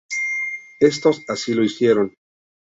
Estos así lo hicieron.